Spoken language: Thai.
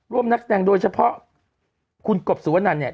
นักแสดงโดยเฉพาะคุณกบสุวนันเนี่ย